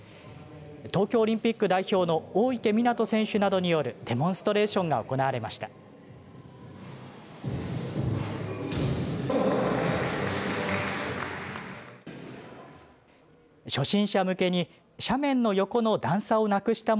東京オリンピック代表の大池水杜選手などによるデモンストレーションが行われました。